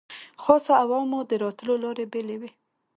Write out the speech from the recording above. خاصو او عامو د راتلو لارې بېلې وې.